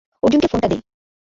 অর্জুনকে ফোনটা দে।